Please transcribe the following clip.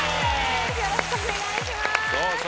よろしくお願いします。